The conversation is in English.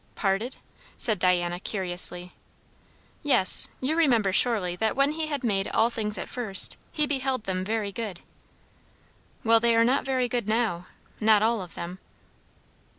"Parted ?" said Diana curiously. "Yes. You remember surely that when he had made all things at first, he beheld them very good." "Well, they are not very good now; not all of them."